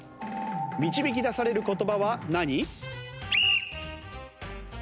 導き出される言葉は何？